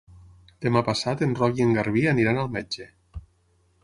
Demà passat en Roc i en Garbí aniran al metge.